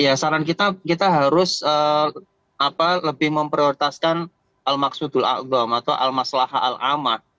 ya saran kita harus lebih memprioritaskan al maksudul a'qam atau al maslaha al amar